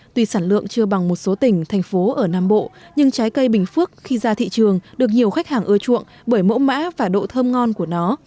tuy sản lượng chưa bằng một số tỉnh thành phố ở nam bộ nhưng trái cây bình phước khi ra thị trường được nhiều khách hàng ưa chuộng bởi mẫu mã và độ thơm ngon của nó